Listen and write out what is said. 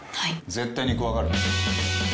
絶対に怖がるな。